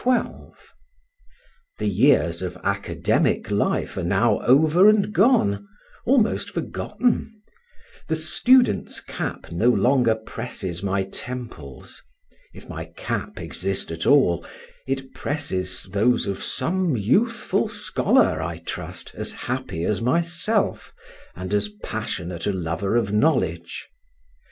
The years of academic life are now over and gone—almost forgotten; the student's cap no longer presses my temples; if my cap exist at all, it presses those of some youthful scholar, I trust, as happy as myself, and as passionate a lover of knowledge.